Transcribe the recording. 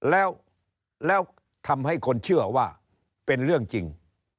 แล้วทำให้คนเชื่อว่าเป็นเรื่องจริง